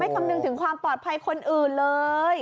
คำนึงถึงความปลอดภัยคนอื่นเลย